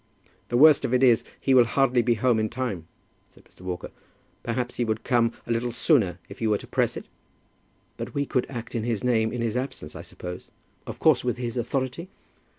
"The worst of it is, he will hardly be home in time," said Mr. Walker. "Perhaps he would come a little sooner if you were to press it?" "But we could act in his name in his absence, I suppose? of course with his authority?"